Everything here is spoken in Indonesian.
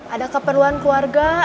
ada keperluan keluarga